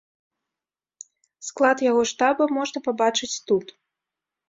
Склад яго штаба можна пабачыць тут.